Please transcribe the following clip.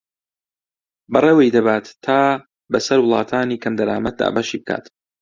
بەڕێوەی دەبات تا بەسەر وڵاتانی کەمدەرامەت دابەشی بکات